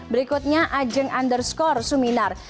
berikutnya ajeng underscore suminar